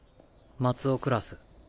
松尾クラス。